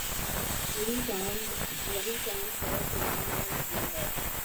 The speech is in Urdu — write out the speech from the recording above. یہی چاند ہے کلاں میں بھی ہے